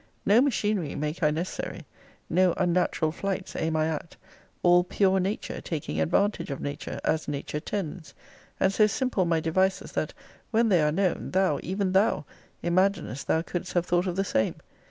No machinery make I necessary. No unnatural flights aim I at. All pure nature, taking advantage of nature, as nature tends; and so simple my devices, that when they are known, thou, even thou, imaginest thou couldest have thought of the same.